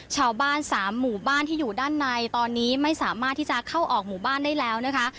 ชาวบ้านสามหมู่บ้านที่อยู่ด้านในตอนนี้ไม่สามารถที่จะเข้าออกหมู่บ้านได้แล้วนะคะ